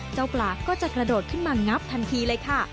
ปลาก็จะกระโดดขึ้นมางับทันทีเลยค่ะ